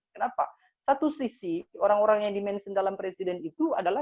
kenapa satu sisi orang orang yang dimention dalam presiden itu adalah